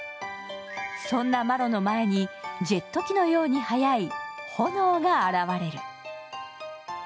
そんなマロの前に、ジェット機のように速い炎が現れる。